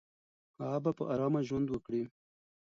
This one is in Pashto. هغه به په آرامه ژوند وکړي.